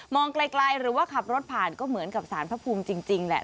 ไกลหรือว่าขับรถผ่านก็เหมือนกับสารพระภูมิจริงแหละ